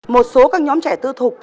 một số các nhóm trẻ tư thục